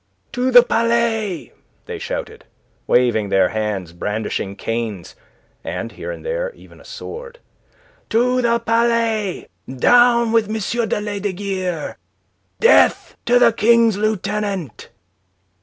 "To the Palais!" they shouted, waving their hands, brandishing canes, and here and there even a sword. "To the Palais! Down with M. de Lesdiguieres! Death to the King's Lieutenant!"